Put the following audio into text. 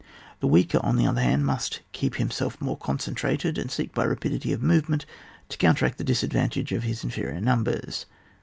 The weaker, on the other hand, must keep himself more concentrated, and seek by rapidity of movement to counteract the disadvantage of his inferior numbers.